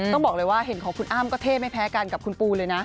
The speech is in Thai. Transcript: ต้องบอกเลยว่าเห็นของคุณอ้ำก็เท่ไม่แพ้กันกับคุณปูเลยนะ